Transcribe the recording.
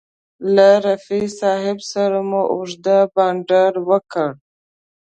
له رفیع صاحب سره مو اوږد بنډار وکړ.